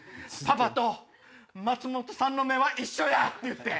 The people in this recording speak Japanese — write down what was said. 「パパと松本さんの目は一緒や」って言って。